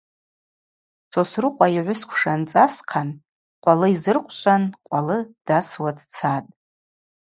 Сосрыкъва йгӏвысквша анцӏы асхъан, къвалы йзырхъвшван, къвалы дасуа дцатӏ.